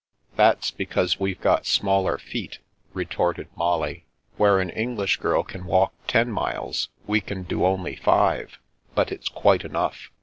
" That's because we've got smaller feet,'' retorted Molly. " Where an English girl can walk ten miles we can do only five, but it's quite enough.